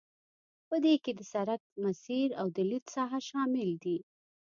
په دې کې د سرک مسیر او د لید ساحه شامل دي